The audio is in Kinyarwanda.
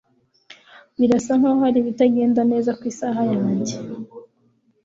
Birasa nkaho hari ibitagenda neza ku isaha yanjye.